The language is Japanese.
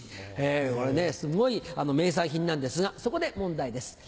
これねすごい名産品なんですがそこで問題です。